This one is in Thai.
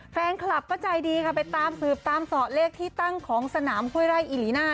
แฟนคลับก็ใจดีค่ะไปตามสืบตามสอเลขที่ตั้งของสนามห้วยไร่อิลิน่า